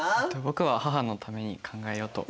僕は母のために考えようと。